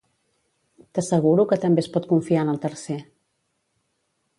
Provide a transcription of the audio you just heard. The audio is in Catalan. T'asseguro que també es pot confiar en el tercer.